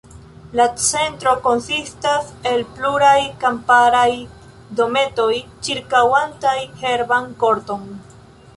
La Centro konsistas el pluraj kamparaj dometoj ĉirkaŭantaj herban korton.